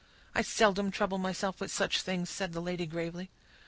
"I seldom trouble myself with such things," said the lady gravely.